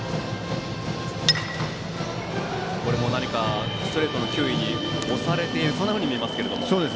これも何かストレートの球威に押されているようなそんなふうに見えますが。